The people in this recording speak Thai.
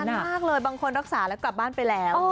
มากเลยบางคนรักษาแล้วกลับบ้านไปแล้ว